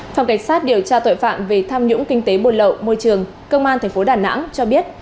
phòng cảnh sát điều tra tội phạm về tham nhũng kinh tế buồn lậu môi trường công an tp đà nẵng cho biết